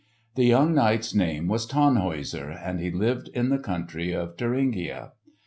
The young knight's name was Tannhäuser and he lived in the country of Thuringia.